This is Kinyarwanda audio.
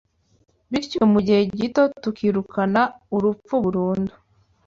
bityo mu gihe gito tukirukana urupfu burundu